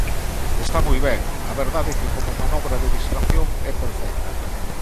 Está moi ben, a verdade é que como manobra de distracción é perfecta.